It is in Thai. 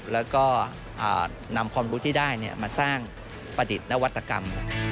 แล้วก็นำความรู้ที่ได้มาสร้างประดิษฐ์นวัตกรรม